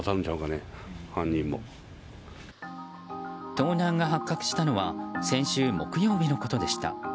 盗難が発覚したのは先週木曜日のことでした。